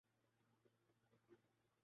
آپ کو کوئی ایسی حرکت نہیں کرنی